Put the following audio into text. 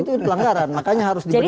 itu pelanggaran makanya harus diberikan